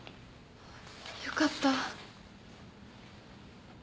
よかった。